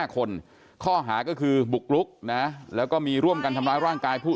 ๕คนข้อหาก็คือบุกลุกนะแล้วก็มีร่วมกันทำร้ายร่างกายผู้